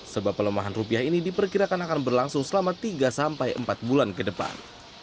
sebab pelemahan rupiah ini diperkirakan akan berlangsung selama tiga sampai empat bulan ke depan